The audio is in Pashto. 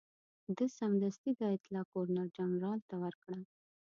ده سمدستي دا اطلاع ګورنرجنرال ته ورکړه.